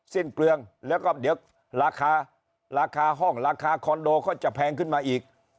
สิ้นเปลืองแล้วก็เดี๋ยวราคาราคาห้องราคาคอนโดก็จะแพงขึ้นมาอีก